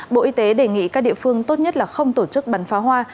bộ y tế đề nghị các địa phương tốt nhất là không tổ chức bắn phá hoa